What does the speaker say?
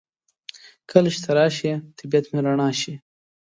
کله چې ته راشې طبیعت مې رڼا شي.